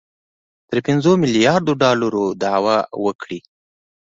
تر پنځو میلیاردو ډالرو دعوه وکړي